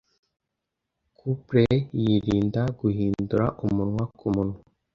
couplet yirinda guhindura umunwa kumunwa